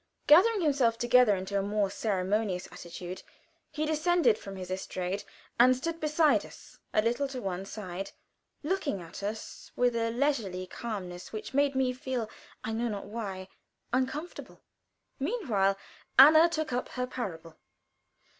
Gathering himself together into a more ceremonious attitude, he descended from his estrade, and stood beside us, a little to one side, looking at us with a leisurely calmness which made me feel, I knew not why, uncomfortable. Meanwhile, Anna took up her parable.